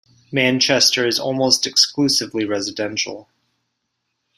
Manchester is almost exclusively residential.